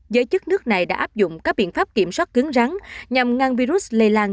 giới chức nước này đã áp dụng các biện pháp kiểm soát cứng rắn nhằm ngăn virus lây lan